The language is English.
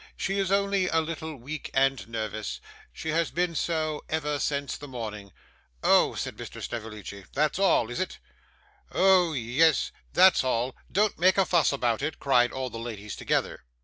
'She is only a little weak and nervous; she has been so ever since the morning.' 'Oh,' said Mr. Snevellicci, 'that's all, is it?' 'Oh yes, that's all. Don't make a fuss about it,' cried all the ladies together.